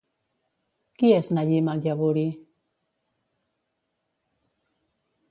Qui és Nayim al-Yaburi?